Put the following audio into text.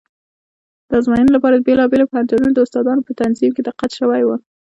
د ازموینې لپاره د بېلابېلو پوهنتونونو د استادانو په تنظیم کې دقت شوی و.